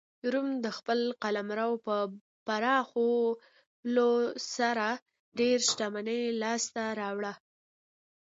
روم د خپل قلمرو په پراخولو سره ډېره شتمني لاسته راوړه